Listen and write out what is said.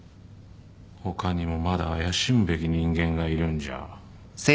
他にもまだ怪しむべき人間がいるんじゃ？